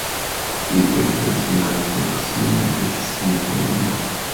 Li estas malproksima de sia hejmo.